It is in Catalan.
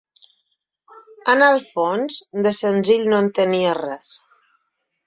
En el fons, de senzill no en tenia res.